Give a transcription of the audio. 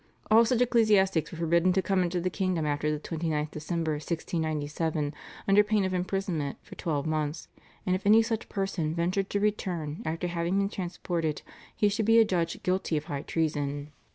All such ecclesiastics were forbidden to come into the kingdom after the 29th December 1697, under pain of imprisonment for twelve months, and if any such person ventured to return after having been transported he should be adjudged guilty of high treason.